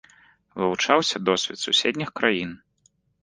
Вывучаўся досвед суседніх краін.